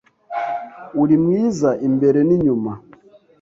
Uri mwiza imbere n’inyuma